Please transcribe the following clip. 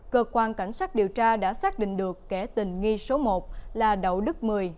cơ quan cảnh sát điều tra đã xác định được kẻ tình nghi số một là đậu đức mười